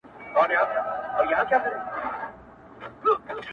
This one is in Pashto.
ړوند په څراغ څه کوي -